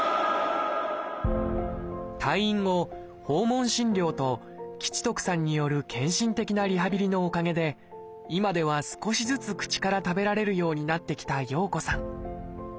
退院後訪問診療と吉徳さんによる献身的なリハビリのおかげで今では少しずつ口から食べられるようになってきた洋子さん